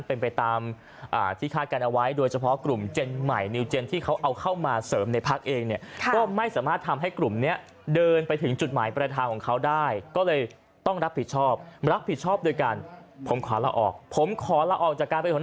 เอาไว้เมื่อวันนี้ก็บอกว่าก็ไม่สามารถที่จะผลัดดันให้